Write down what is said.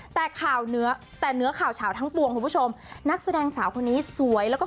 แต่ข่าวเนื้อแต่เนื้อข่าวเฉาทั้งปวงคุณผู้ชมนักแสดงสาวคนนี้สวยแล้วก็